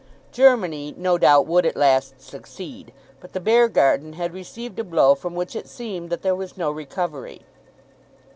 Germany no doubt would at last succeed, but the Beargarden had received a blow from which it seemed that there was no recovery.